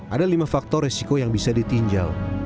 ada lima faktor resiko yang bisa ditinjau